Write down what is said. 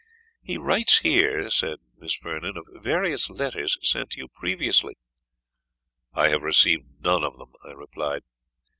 "He writes here," said Miss Vernon, "of various letters sent to you previously." "I have received none of them," I replied.